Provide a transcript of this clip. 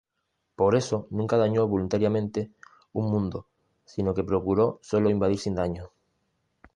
Por eso nunca dañó voluntariamente un mundo sino que procuró sólo invadir sin daño.